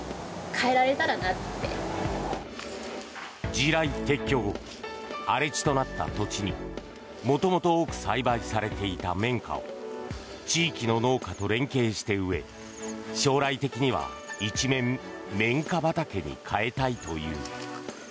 地雷撤去後荒れ地となった土地に元々多く栽培されていた綿花を地域の農家と連携して植え将来的には一面、綿花畑に変えたいという。